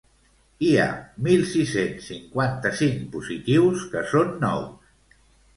Hi ha mil sis-cents cinquanta-cinc positius que són nous.